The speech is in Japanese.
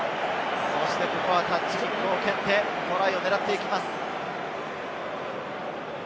タッチキックを蹴ってトライを狙っていきます。